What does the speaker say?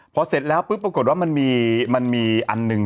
พอเสร็จแล้วปุ๊บปรากฏว่ามันมีอันหนึ่ง